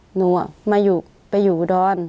หนูอ่ะมาอยู่ไปอยู่ดอน